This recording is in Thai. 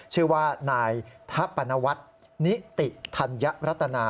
ชื่อว่านายทัพปนวัฒนิติธัญรัตนา